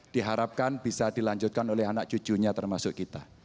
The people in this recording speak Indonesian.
di harapkan bisa dilanjutkan oleh anak cucunya termasuk kita